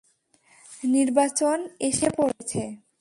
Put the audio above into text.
নির্বাচন এসে পড়েছে।